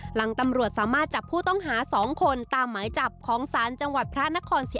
หลังตำรวจสามารถจับผู้ต้องหา๒คนตามหมายจับของศาลจังหวัดพระนครศรี